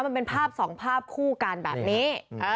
มันเป็นภาพสองภาพคู่กันแบบนี้